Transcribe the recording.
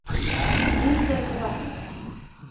Ниңә шулай ҡыҙаһың?